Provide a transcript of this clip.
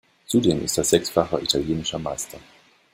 Zudem ist er sechsfacher italienischer Meister.